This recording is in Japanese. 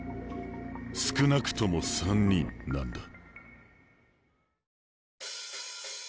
「少なくとも３人」なんだ。